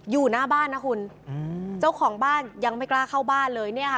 อยู่หน้าบ้านนะคุณอืมเจ้าของบ้านยังไม่กล้าเข้าบ้านเลยเนี่ยค่ะ